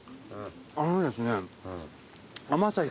あのですね。